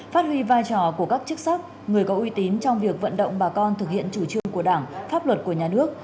phát huy vai trò của các chức sắc người có uy tín trong việc vận động bà con thực hiện chủ trương của đảng pháp luật của nhà nước